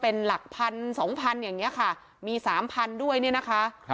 เป็นหลักพัน๒๐๐๐อย่างนี้ค่ะมี๓๐๐๐ด้วยนี่นะคะ